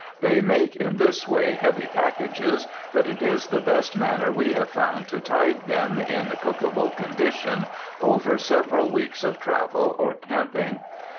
They make in this way heavy packages, but it is the best manner we have found to tide them, in cookable condition, over several weeks of travel or camping.